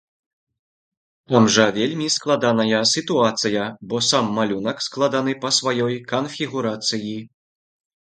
Там жа вельмі складаная сітуацыя, бо сам малюнак складаны па сваёй канфігурацыі.